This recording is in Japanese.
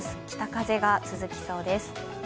北風が続きそうです。